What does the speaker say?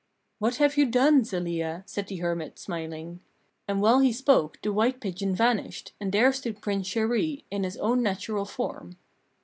"What have you done, Zelia?" said the hermit, smiling. And while he spoke the white pigeon vanished, and there stood Prince Chéri in his own natural form.